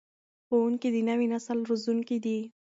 ښوونکي د نوي نسل روزونکي دي.